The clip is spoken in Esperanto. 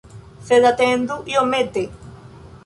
Sed atendu iomete!